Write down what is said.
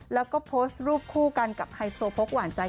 แล้วก็โพสต์รูปคู่กันกับไฮโซโพกหวานใจ